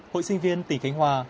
hội sinh viên tỉnh khánh hòa